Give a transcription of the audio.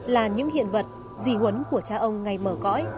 là những hiện vật dì huấn của cha ông ngay mở cõi